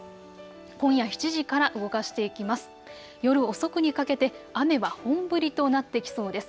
今夜７時から動かしていきます。